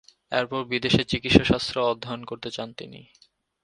এরপর বিদেশে চিকিৎসাশাস্ত্রে অধ্যয়ন করতে চান তিনি।